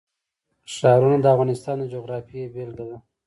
ښارونه د افغانستان د جغرافیې بېلګه ده.